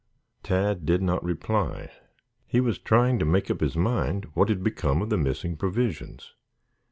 Tad did not reply. He was trying to make up his mind what had become of the missing provisions.